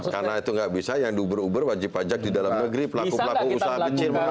karena itu nggak bisa yang di uber uber wajib pajak di dalam negeri pelaku pelaku usaha kecil